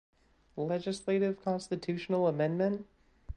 Legislative Constitutional Amendment.